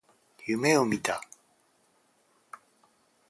夢を見た。